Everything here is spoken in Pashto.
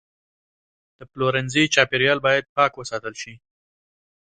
د پلورنځي چاپیریال باید پاک وساتل شي.